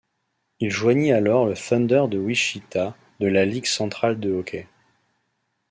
Il joignit alors le Thunder de Wichita de la Ligue centrale de hockey.